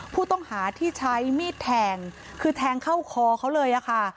ผู้ต้องหาที่ใช้มีดแทงคือแทงเข้าคอเขาเลยค่ะ